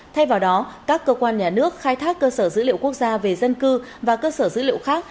thay vào đó các cơ quan nhà nước khai thác cơ sở dữ liệu quốc gia về dân cư và cơ sở dữ liệu khác